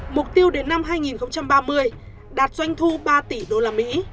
mục tiêu đến năm hai nghìn ba mươi đạt doanh thu ba tỷ usd